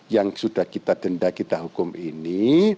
yang sudah kita denda kita hukum ini